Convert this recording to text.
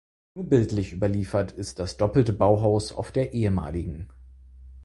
Nur bildlich überliefert ist das doppelte Bauhaus auf der ehem.